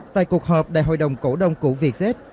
tại cuộc họp đại hội đồng cổ đông cũ vietjet